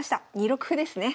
２六歩ですね。